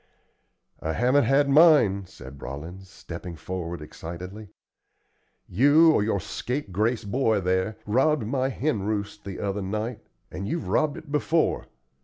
"I haven't had mine," said Rollins, stepping forward excitedly. "You, or your scapegrace boy there, robbed my hen roost the other night, and you've robbed it before.